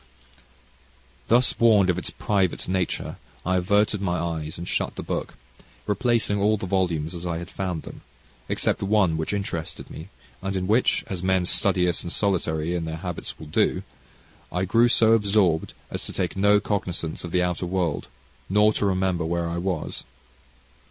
Thus warned of its private nature, I averted my eyes, and shut the book, replacing all the volumes as I had found them, except one which interested me, and in which, as men studious and solitary in their habits will do, I grew so absorbed as to take no cognisance of the outer world, nor to remember where I was.